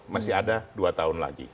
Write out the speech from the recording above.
masih ada dua tahun lagi